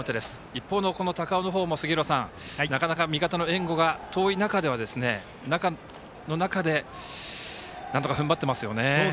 一方の高尾の方もなかなか味方の援護が遠い中でなんとか、ふんばってますよね。